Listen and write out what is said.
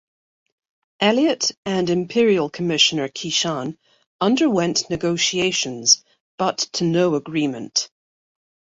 Elliot and Imperial Commissioner Qishan underwent negotiations but to no agreement.